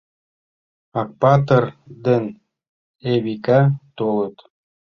Акпатыр ден Эвика толыт.